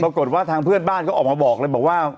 ปรากฏว่าทางเพื่อนบ้านก็ออกมาบอกเลยบอกว่า